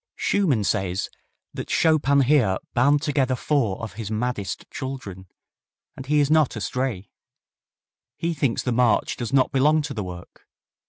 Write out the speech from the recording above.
Schumann says that Chopin here "bound together four of his maddest children," and he is not astray. He thinks the march does not belong to the work.